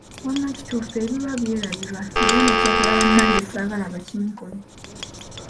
Wamma kituufu ebirwa byerabirwa era ne kyenkola bannange saagala bakinkole!